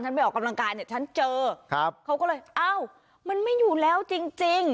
ไปออกกำลังกายเนี่ยฉันเจอครับเขาก็เลยอ้าวมันไม่อยู่แล้วจริงจริง